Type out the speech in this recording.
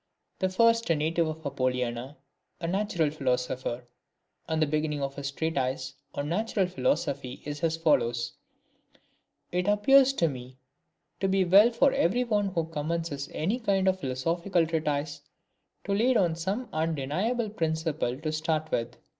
The first a native of Apollonia, a natural philosopher; and the beginning of his treatise on Natural Philosophy is as follows: "It appears to me to be well for every one who commences any kind of philosophical treatise, to lay down some undeniable principle to start with."